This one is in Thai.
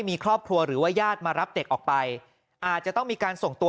มีครอบครัวหรือว่าญาติมารับเด็กออกไปอาจจะต้องมีการส่งตัว